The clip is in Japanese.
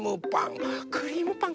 クリームパン